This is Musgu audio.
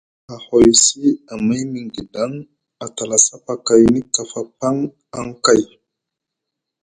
A hoysi amay miŋ guidaŋ a tala sapakayni kafa paŋ aŋ kay.